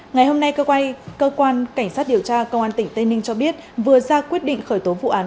ngày hôm nay cơ quan cảnh sát điều tra công an tỉnh tây ninh cho biết vừa ra quyết định khởi tố vụ án